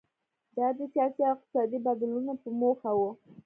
دا د سیاسي او اقتصادي بدلونونو په موخه و.